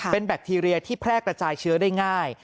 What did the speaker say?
เป็นแบคทีเรียที่แพร่กระจายเชื้อได้ง่าย